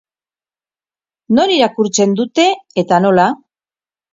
Non irakurtzen dute eta nola?